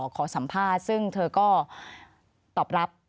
ขอบคุณครับ